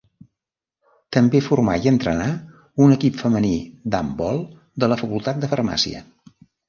També formà i entrenà un equip femení d'handbol de la Facultat de Farmàcia.